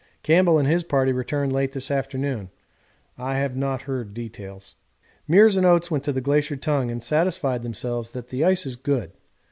Campbell and his party returned late this afternoon I have not heard details. Meares and Oates went to the Glacier Tongue and satisfied themselves that the ice is good.